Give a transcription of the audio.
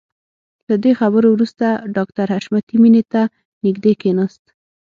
له دې خبرو وروسته ډاکټر حشمتي مينې ته نږدې کښېناست.